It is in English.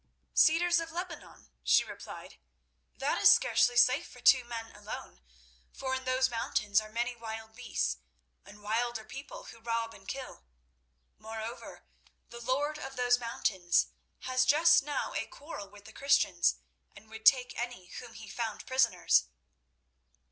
"Cedars of Lebanon?" she replied. "That is scarcely safe for two men alone, for in those mountains are many wild beasts and wilder people who rob and kill. Moreover, the lord of those mountains has just now a quarrel with the Christians, and would take any whom he found prisoners."